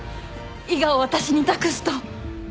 伊賀を私に託すと。